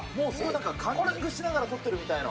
カンニングしながら取ってるみたいな。